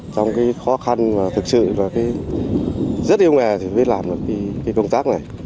trong cái khó khăn và thực sự rất yêu nghề thì mới làm được cái công tác này